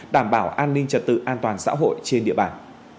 đảm bảo an ninh trật tự an toàn xã hội trên địa bàn